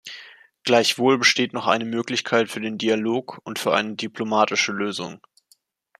Gleichwohl besteht noch eine Möglichkeit für den Dialog und für eine diplomatische Lösung.